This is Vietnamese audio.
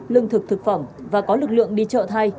lương thực thực phẩm và có lực lượng đi chợ thay